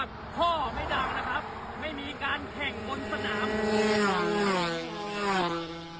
ครอบไหวนะครับไม่มีการแข่งบนสนาม